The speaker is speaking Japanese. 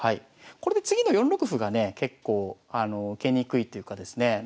これで次の４六歩がね結構受けにくいというかですね